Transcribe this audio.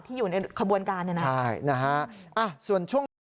ที่อยู่ในขบวนการนะครับใช่นะฮะส่วนช่วง